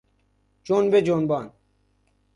جنب جنبان